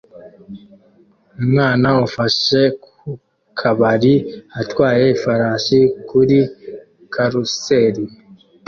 Umwana ufashe ku kabari atwaye ifarashi kuri karuseli